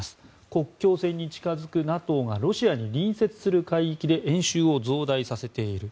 国境線に近付くＮＡＴＯがロシアに隣接する海域で演習を増大させている。